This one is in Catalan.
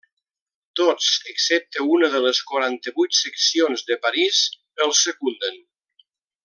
Tots, excepte una de les quaranta-vuit seccions de París, el secunden.